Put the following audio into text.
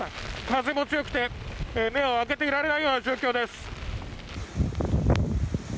風も強くて目を開けていられないような状況です。